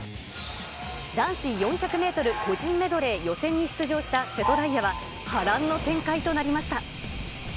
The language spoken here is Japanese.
男子４００メートル個人メドレー予選に出場した瀬戸大也は、波乱の展開となりました。